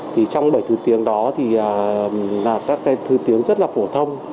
trong bảy thứ tiếng đó các thứ tiếng rất là phổ thông